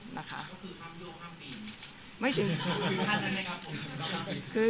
คือความโยคความดี